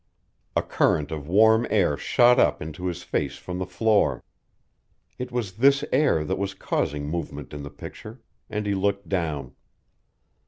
A current of warm air shot up into his face from the floor. It was this air that was causing movement in the picture, and he looked down.